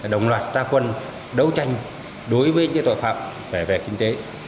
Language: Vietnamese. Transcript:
đồng loạt ra quân đấu tranh đối với những tội phạm về kinh tế